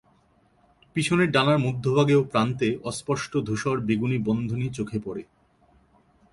পিছনের ডানার মধ্যভাগে ও প্রান্তে অস্পষ্ট ধূসর বেগুনি বন্ধনী চোখে পরে।